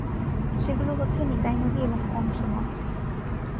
সেগুলো হচ্ছে নিতাই নদী এবং কংস নদ।